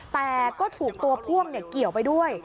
แต่ก็ถูกตัวพ่วงเกี่ยวไปด้วย